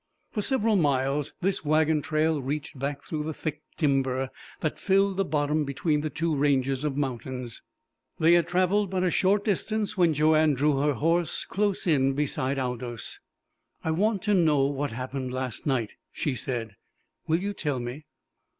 For several miles this wagon trail reached back through the thick timber that filled the bottom between the two ranges of mountains. They had travelled but a short distance when Joanne drew her horse close in beside Aldous. "I want to know what happened last night," she said. "Will you tell me?"